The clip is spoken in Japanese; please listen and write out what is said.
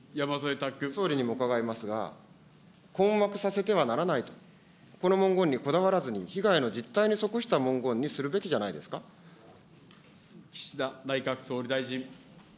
総理にも伺いますが、困惑させてはならないと、この文言にこだわらずに被害の実態に即した文言にするべきじゃな岸田内閣総理大臣。